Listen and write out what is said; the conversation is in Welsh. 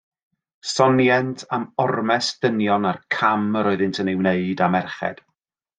Sonient am ormes dynion a'r cam yr oeddynt yn ei wneud â merched.